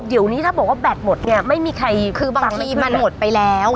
เดี๋ยวนี้ถ้าบอกว่าแบตหมดเนี่ยไม่มีใครคือบางทีมันหมดไปแล้ว